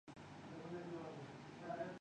آگے کیا ہوتا ہے۔